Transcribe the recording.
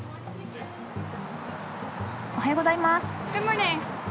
おはようございます。